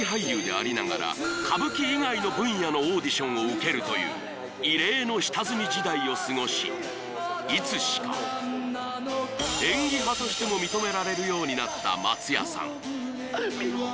歌舞伎以外の分野のオーディションを受けるという異例の下積み時代を過ごしいつしか演技派としても認められるようになった松也さん